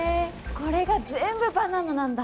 これが全部バナナなんだ！